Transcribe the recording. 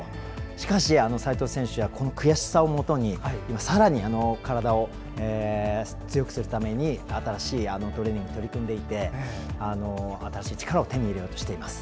しかし齋藤選手はこの悔しさをもとにさらに体を強くするために新しいトレーニングに取り組んでいて、新しい力を手に入れようとしています。